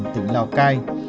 tỉnh lào cai